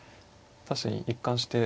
確かに一貫して。